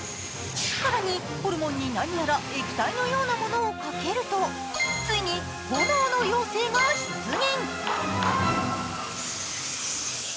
さらにホルモンに何やら液体のようなものをかけると、ついに炎の妖精が出現！